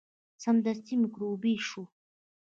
سمدستي میکروبي شو.